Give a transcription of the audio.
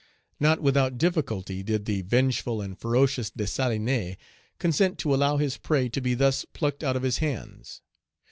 Not without difficulty did the vengeful and ferocious Dessalines consent to allow his prey to be thus plucked out of his hands.